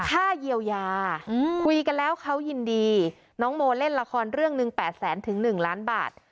ค่าเยียวยาคุยกันแล้วเขายินดีน้องโมเล่นละครเรื่องหนึ่ง๘แสนถึง๑ล้านบาท